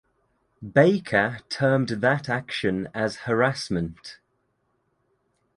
Baker termed that action as harassment.